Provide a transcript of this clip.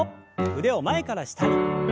腕を前から下に。